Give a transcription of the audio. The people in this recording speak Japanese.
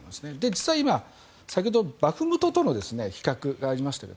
実は今、先ほどバフムトとの比較がありましたが